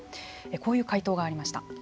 こういう回答がありました。